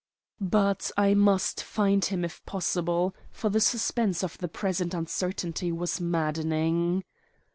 But I must find him if possible; for the suspense of the present uncertainty was maddening.